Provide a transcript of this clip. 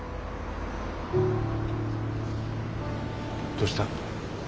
どうした？